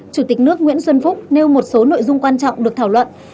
chủ tịch nước nguyễn xuân phúc nêu một số nội dung quan trọng được thảo luận